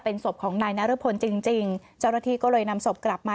ศพของนายนรพลจริงจริงเจ้าหน้าที่ก็เลยนำศพกลับมา